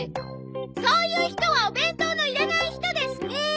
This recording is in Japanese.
そういう人はお弁当のいらない人ですね。